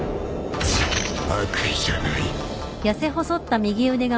悪意じゃない。